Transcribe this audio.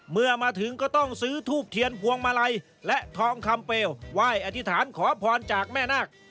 เมื่อมาถึงก็ต้องซื้อทูบเทียนพวงมาลัยและทองคำเปลวไหว้อธิษฐานขอพรจากแม่นาค